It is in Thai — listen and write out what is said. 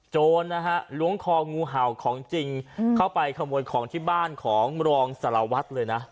โจรนะฮะล้วงคองูเห่าของจริงเข้าไปขโมยของที่บ้านของรองสารวัตรเลยนะ